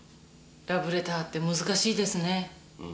ラブレターって難しいですね。